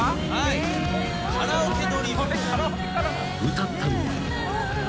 ［歌ったのは］